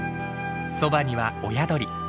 そばには親鳥。